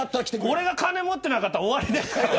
俺が金持ってなかったら終わりですから。